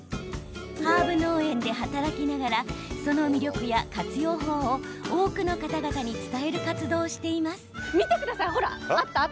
ハーブ農園で働きながらその魅力や活用法を多くの方々に伝える活動をしています。